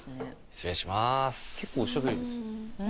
失礼します。